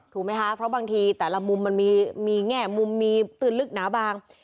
ถูกไหมคะเพราะบางทีแต่ละมุมมันมีแง่มุมมีเตือนลึกหนาบาง